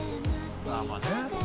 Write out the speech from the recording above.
ああまあね。